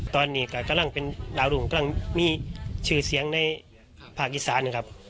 ตอนนี้ก็กำลังเป็นดาวรุ่งกำลังมีชื่อเสียงในภาคอีสานนะครับ